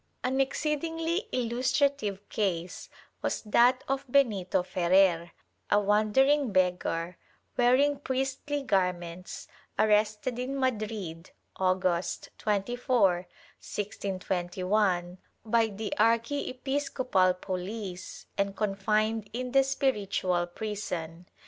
An exceedingly illustrative case was that of Benito Ferrer, a wandering beggar, wearing priestly garments, arrested in Madiid, August 24, 1621, by the archiepiscopal poUce and confined in the spiritual prison.